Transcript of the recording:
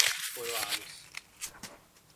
Coroados